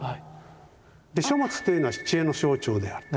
書物というのは知恵の象徴である。